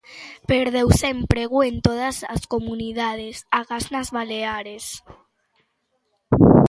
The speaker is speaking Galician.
Perdeuse emprego en todas as comunidades, agás nas Baleares.